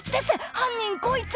犯人こいつ」